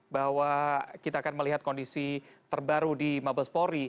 bahwa kita akan melihat kondisi terbaru di mabespori